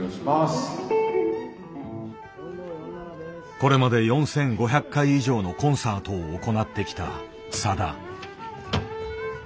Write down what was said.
これまで４５００回以上のコンサートを行ってきたさだ。